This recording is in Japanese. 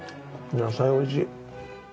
野菜おいしい。